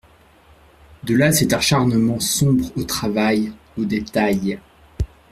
De là cet acharnement sombre au travail, aux détails.